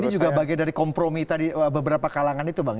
dan ini juga bagian dari kompromi tadi beberapa kalangan itu bang ya